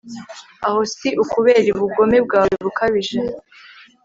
aho si ukubera ubugome bwawe bukabije